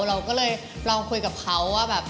เราก็เลยลองคุยกับเขาว่าแบบ